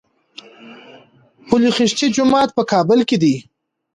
پل خشتي جومات په کابل کي دی